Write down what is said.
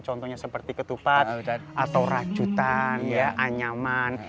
contohnya seperti ketupat atau racutan anyaman